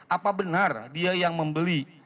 apa benar dia yang membeli